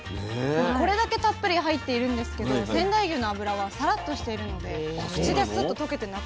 これだけたっぷり入っているんですけど仙台牛の脂はサラッとしているので口でスッと溶けてなくなるんですよ。